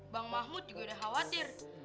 bang mahfud juga udah khawatir